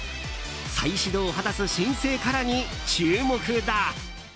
再始動を果たす新生ＫＡＲＡに注目だ。